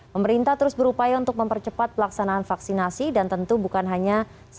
pemerintah terus berupaya untuk mempercepat pelaksanaan vaksinasi dan tentu bukan hanya